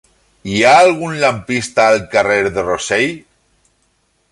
Hi ha algun lampista al carrer de Rossell?